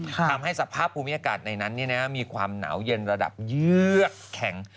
ทำให้สภาพภูมิอากาศในนั้นมีความหนาวเย็นระดับเยือกแข็ง